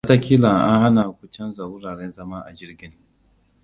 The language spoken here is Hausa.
Wataƙila an hana ku canza wuraren zama a jirgin.